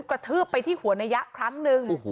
กระทืบไปที่หัวนายะครั้งหนึ่ง